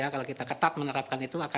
kalau kita ketat menerapkan itu